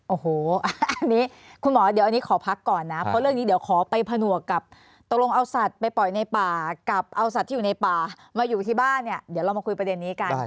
โอ้โหอันนี้คุณหมอเดี๋ยวอันนี้ขอพักก่อนนะเพราะเรื่องนี้เดี๋ยวขอไปผนวกกับตกลงเอาสัตว์ไปปล่อยในป่ากับเอาสัตว์ที่อยู่ในป่ามาอยู่ที่บ้านเนี่ยเดี๋ยวเรามาคุยประเด็นนี้กัน